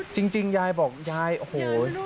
จริงยายบอกยายโอ้โห